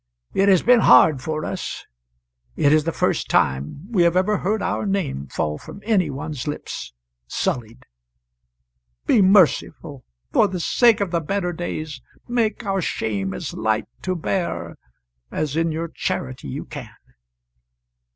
It has been hard for us. It is the first time we have ever heard our name fall from any one's lips sullied. Be merciful for the sake or the better days; make our shame as light to bear as in your charity you can."